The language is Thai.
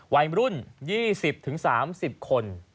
วัยรุ่น๒๐๓๐คน